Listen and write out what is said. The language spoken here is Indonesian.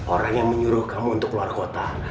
orang yang menyuruh kamu untuk keluar kota